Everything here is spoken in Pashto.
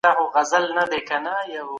هغه سړی تر پېښي وروسته په موټر کي ولاړی.